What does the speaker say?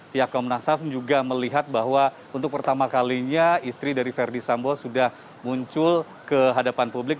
pihak komnas ham juga melihat bahwa untuk pertama kalinya istri dari verdi sambo sudah muncul ke hadapan publik